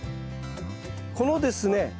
このですね